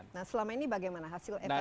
nah selama ini bagaimana hasil evaluasi